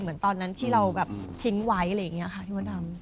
เหมือนตอนนั้นที่เราแบบทิ้งไว้อะไรอย่างนี้ค่ะพี่มดดำ